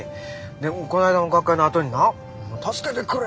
でこないだの学会のあとにな「助けてくれ」